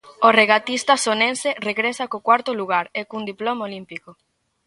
O regatista sonense regresa co cuarto lugar e cun diploma olímpico.